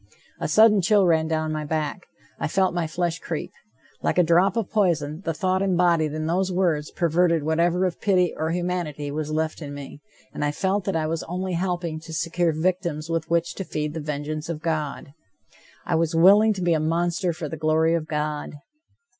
A sudden chill ran down my back. I felt my flesh creep. Like a drop of poison the thought embodied in those words perverted whatever of pity or humanity was left in me, and I felt that I was only helping to secure victims with which to feed the vengeance of God! [Illustration: Trinity in XIII Century.] I was willing to be a monster for the glory of God!